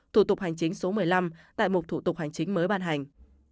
thủ tục hành chính số một mươi năm tại một thủ tục hành chính mới bàn hành